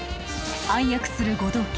暗躍する護道家